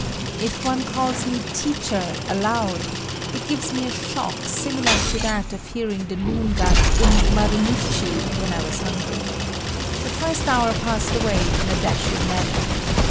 If one calls me "teacher" aloud, it gives me a shock similar to that of hearing the noon gun in Marunouchi when I was hungry. The first hour passed away in a dashing manner.